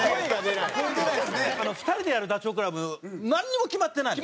２人でやるダチョウ倶楽部なんにも決まってない。